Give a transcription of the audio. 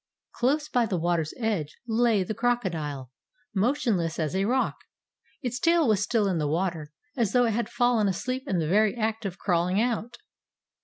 Close by the water's edge lay the crocodile, motionless as a rock. Its tail was still in the water, as though it had fallen asleep in the very act of crawling out.